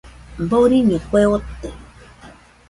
Doriño kue ote.